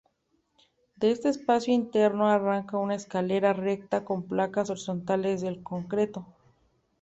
De este espacio interno arranca una escalera recta con placas horizontales de concreto.